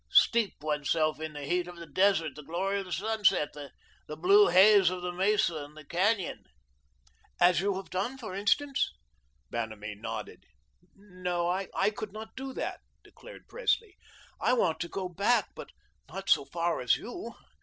Steep oneself in the heat of the desert, the glory of the sunset, the blue haze of the mesa and the canyon." "As you have done, for instance?" Vanamee nodded. "No, I could not do that," declared Presley; "I want to go back, but not so far as you.